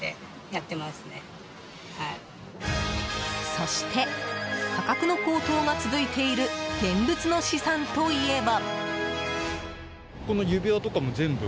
そして価格の高騰が続いている現物の資産といえば。